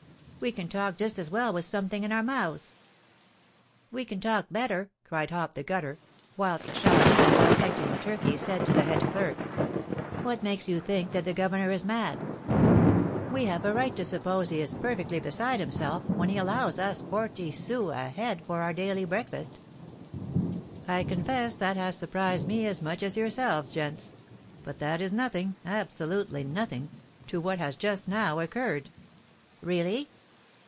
"We can talk just as well with something in our mouths." "We can talk better," cried Hop the Gutter; whilst Chalamel, dissecting the turkey, said to the head clerk: "What makes you think that the governor is mad?" "We have a right to suppose he is perfectly beside himself when he allows us forty sous a head for our daily breakfast." "I confess that has surprised me as much as yourselves, gents. But that is nothing absolutely nothing to what has just now occurred." "Really?"